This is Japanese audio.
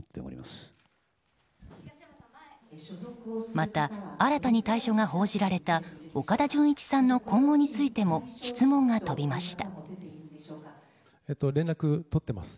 また、新たに退所が報じられた岡田准一さんの今後についても質問が飛びました。